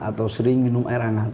atau sering minum air hangat